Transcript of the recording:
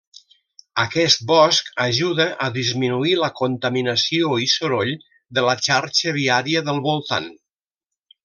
Aquest bosc ajuda a disminuir la contaminació i soroll de la xarxa viària del voltant.